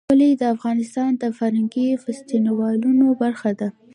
کلي د افغانستان د فرهنګي فستیوالونو برخه ده.